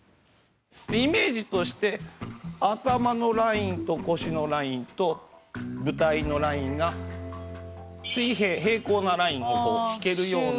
イメージとして頭のラインと腰のラインと舞台のラインが水平平行なラインを引けるような感じ。